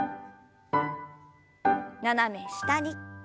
斜め下に。